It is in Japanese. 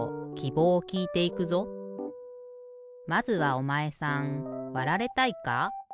まずはおまえさんわられたいか？